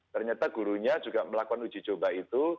ternyata gurunya juga melakukan uji coba itu